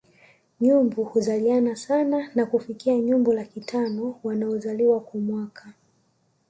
Nyumbu huzaliana sana na kufikia nyumbu laki tano wanaozaliwa kwa mwaka